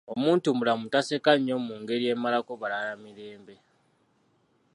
Omuntumulamu taseka nnyo mu ngeri emalako balala mirembe.